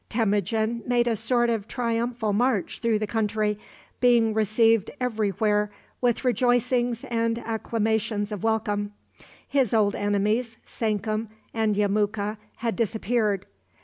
Temujin made a sort of triumphal march through the country, being received every where with rejoicings and acclamations of welcome. His old enemies, Sankum and Yemuka, had disappeared.